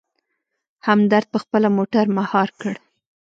همدرد په خپله موټر مهار کړ.